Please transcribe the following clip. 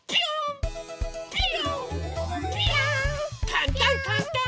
かんたんかんたん！